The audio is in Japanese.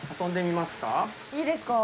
いいですか？